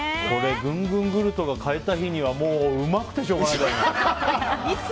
これ、ぐんぐんグルトが買えた日にはもううまくてしょうがないんじゃない。